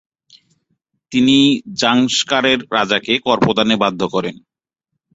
তিনি জাংস্কারের রাজাকে কর প্রদানে বাধ্য করেন।